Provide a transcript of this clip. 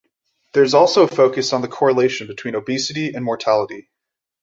There is also a focus on the correlation between obesity and mortality.